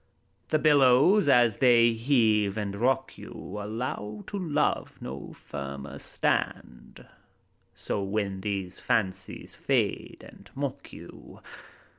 The billows, as they heave and rock you, Allow to love no firmer stand, So, when these fancies fade and mock you.